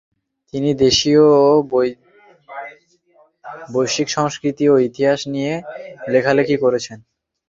তিনি দেশীয় ও বৈশ্বিক সংস্কৃতি ও ইতিহাস নিয়েও লেখালিখি করেছেন।